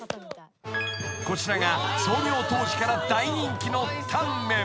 ［こちらが創業当時から大人気の］